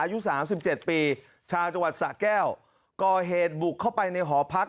อายุสามสิบเจ็ดปีชาวจังหวัดสะแก้วก่อเหตุบุกเข้าไปในหอพัก